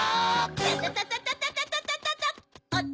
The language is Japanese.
タタタタタタタ！